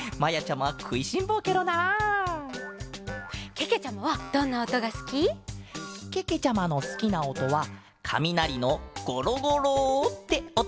けけちゃまはどんなおとがすき？けけちゃまのすきなおとはかみなりのゴロゴロっておとケロ！